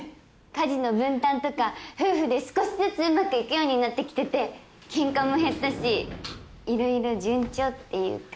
家事の分担とか夫婦で少しずつうまくいくようになってきててケンカも減ったし色々順調っていうか。